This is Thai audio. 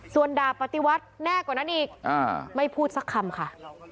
ส่วนดาบปฏิวัติแน่กว่านั้นอีกไม่พูดสักคำค่ะ